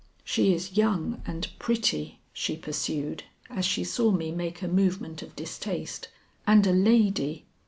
She is young and pretty," she pursued as she saw me make a movement of distaste, "and a lady.